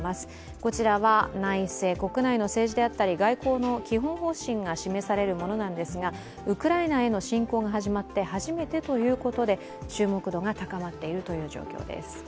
こちらは内政、国内の政治や外交の基本方針が示されるものなんですが、ウクライナへの侵攻が始まって初めてということで注目度が高まっている状況です。